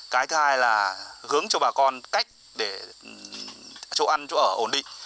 cái thứ hai là hướng cho bà con cách để chỗ ăn chỗ ở ổn định